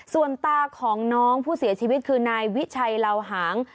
ส่วนตาของน้องผู้เสียชีวิตคือนายวิชัยเหล่าหาง